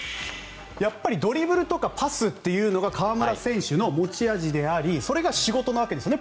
やっぱりドリブルとカパスというのが河村選手の持ち味でありそれが仕事なわけですね